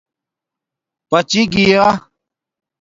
پچی گیݳ